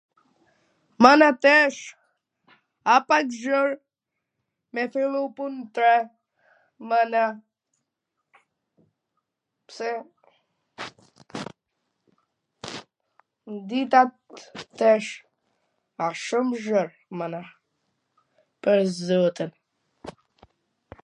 Mana tesh a pak gjw me fillu pun n tre, mana, pse dita tash asht shum gjat mana, pwr zotin.